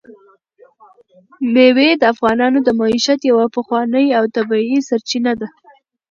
مېوې د افغانانو د معیشت یوه پخوانۍ او طبیعي سرچینه ده.